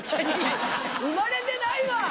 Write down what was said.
生まれてないわ！